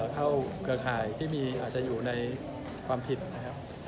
เครือข่ายที่มีอาจจะอยู่ในความผิดนะครับ